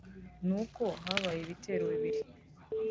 ni uko habaye ibitero bibiri